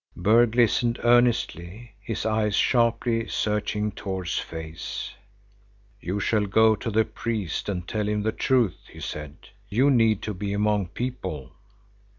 Berg listened earnestly, his eyes sharply searching Tord's face. "You shall go to the priest and tell him the truth," he said. "You need to be among people."